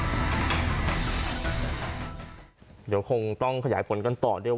เดี๋ยวคงต้องขยายผลกันต่อด้วย